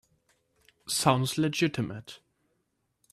Sounds legitimate.